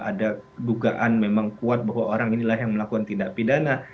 ada dugaan memang kuat bahwa orang inilah yang melakukan tindak pidana